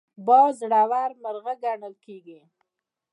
باز زړور مرغه ګڼل کېږي